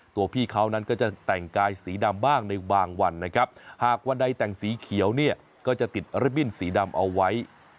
ตัวพี่เขานั้นก็จะแต่งกายสีดำบ้างในบางวันนะครับหากวันใดแต่งสีเขียวเนี่ยก็จะติดริบบิ้นสีดำเอาไว้